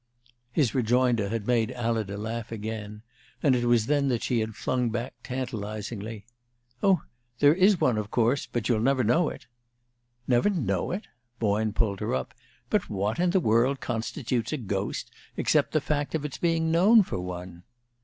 His rejoinder had made Alida laugh again, and it was then that she had flung back tantalizingly: "Oh, there is one, of course, but you'll never know it." "Never know it?" Boyne pulled her up. "But what in the world constitutes a ghost except the fact of its being known for one?"